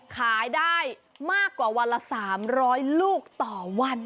ขายได้มากกว่าวันละ๓๐๐ลูกต่อวัน